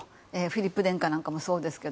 フィリップ殿下なんかもそうですが。